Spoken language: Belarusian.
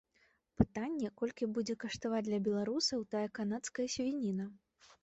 Пытанне, колькі будзе каштаваць для беларусаў тая канадская свініна.